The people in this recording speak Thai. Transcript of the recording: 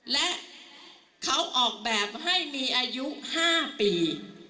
และเขาออกแบบให้มีอายุ๕ปี